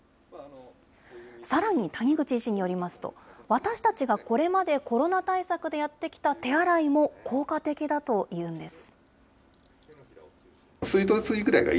さらに谷口医師によりますと、私たちがこれまでコロナ対策でやってきた手洗いも効果的だというんです。